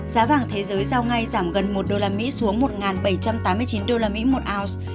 giá vàng thế giới giao ngay giảm gần một usd xuống một bảy trăm tám mươi chín usd một ounce